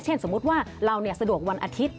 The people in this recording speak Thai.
สมมุติว่าเราสะดวกวันอาทิตย์